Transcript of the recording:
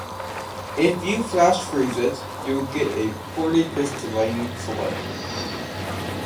If you flash freeze it, you'll get a poly-crystalline solid.